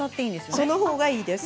その方がいいです。